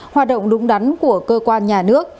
hoạt động đúng đắn của cơ quan nhà nước